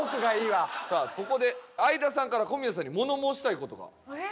さあここで相田さんから小宮さんに物申したい事が。